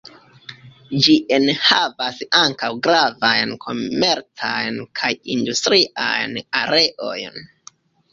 Ĝi enhavas ankaŭ gravajn komercajn kaj industriajn areojn.